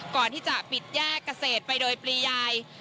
ก่อนที่จะปิดแยกเกษตรไปโดยปลียาย